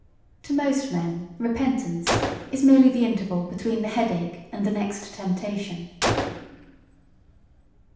To most men "repentance" is merely the interval between the headache and the next temptation.